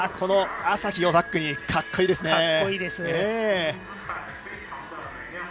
朝日をバックに格好いいですね。